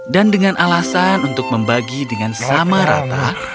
dan dengan alasan untuk membagi dengan sama rata